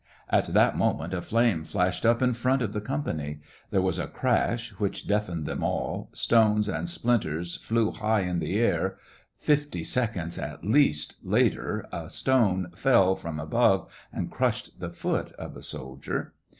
At that moment, a flame flashed up in front of the company. There was a crash, which deafened them all, stones and splinters flew high in the air SEVASTOPOL IN MAY. q^ (fifty seconds, at least, later a stone fell from above and crushed the foot of a soldier).